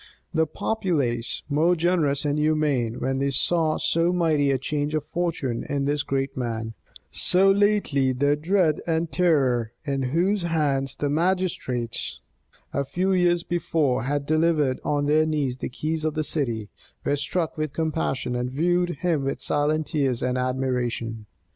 The populace, more generous and humane, when they saw so mighty a change of fortune in this great man, so lately their dread and terror, into whose hands the magistrates, a few years before, had delivered on their knees the keys of the city, were struck with compassion, and viewed him with silent tears and admiration.